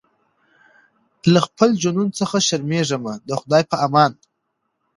له خپل جنون څخه شرمېږمه د خدای په امان